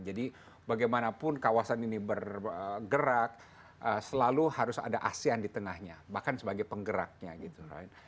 jadi bagaimanapun kawasan ini bergerak selalu harus ada asean di tengahnya bahkan sebagai penggeraknya gitu